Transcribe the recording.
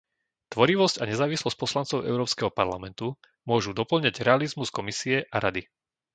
Tvorivosť a nezávislosť poslancov Európskeho parlamentu môžu dopĺňať realizmus Komisie a Rady.